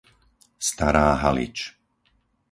Stará Halič